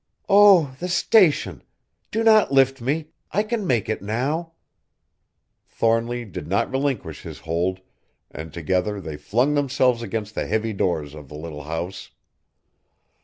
"Oh! the Station! Do not lift me; I can make it now!" Thornly did not relinquish his hold, and together they flung themselves against the heavy doors of the little house.